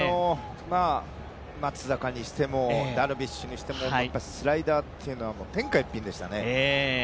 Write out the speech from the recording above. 松坂にしてもダルビッシュにしても、スライダーっていうのは天下一品でしたね。